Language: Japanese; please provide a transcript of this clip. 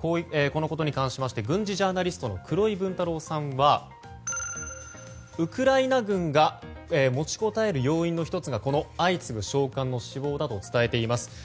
このことに関しまして軍事ジャーナリストの黒井文太郎さんはウクライナ軍が持ちこたえる要因の１つがこの相次ぐ将官の死亡だとしています。